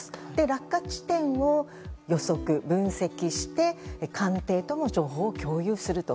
落下地点を予測・分析して官邸とも情報を共有すると。